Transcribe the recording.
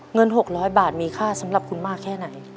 เงิน๖๐๐บาทมีค่าสำหรับคุณมากแค่ไหน